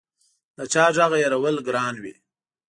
د چا غږ هېرول ګران وي